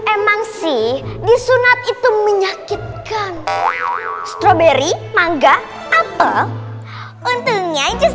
emang sih disunat itu menyakitkan strawberry mangga atau untungnya just